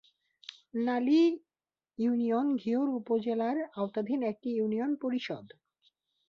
নালী union Ghior উপজেলার আওতাধীন একটি ইউনিয়ন পরিষদ।